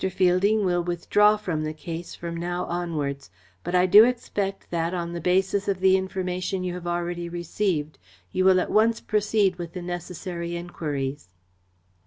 Fielding will withdraw from the case from now onwards, but I do expect that, on the basis of the information you have already received, you will at once proceed with the necessary enquiries."